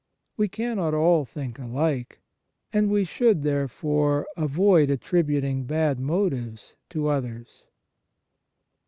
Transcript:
We cannot all think alike, and we should, there fore, avoid attributing bad motives to others.